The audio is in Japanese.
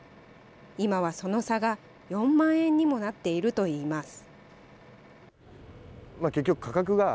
今はその差が４万円にもなっているといいます。